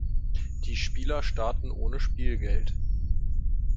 Die Spieler starten ohne Spielgeld.